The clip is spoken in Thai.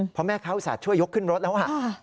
เพราะแม่ค้าอุตส่าห์ช่วยยกขึ้นรถแล้ว